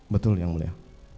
betul ya mulia